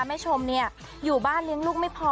แม่ชมเนี่ยอยู่บ้านเลี้ยงลูกไม่พอ